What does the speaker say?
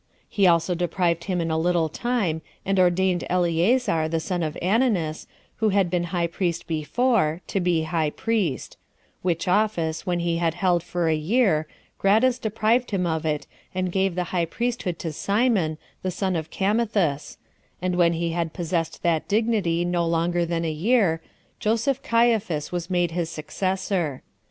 He also deprived him in a little time, and ordained Eleazar, the son of Ananus, who had been high priest before, to be high priest; which office, when he had held for a year, Gratus deprived him of it, and gave the high priesthood to Simon, the son of Camithus; and when he had possessed that dignity no longer than a year, Joseph Caiaphas was made his successor.